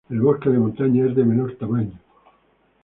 El bosque de montaña es de menor tamaño.